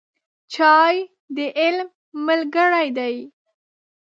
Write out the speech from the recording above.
چای د علم ملګری دی